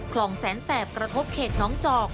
คลองแสนแสบกระทบเขตน้องจอก